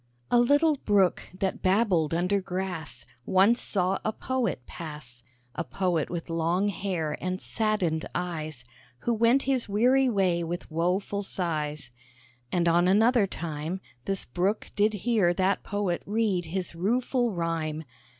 A little Brook, that babbled under grass, Once saw a Poet pass A Poet with long hair and saddened eyes, Who went his weary way with woeful sighs. And on another time, This Brook did hear that Poet read his rueful rhyme.